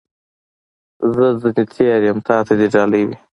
زه ځني تېر یم ، تا ته دي ډالۍ وي .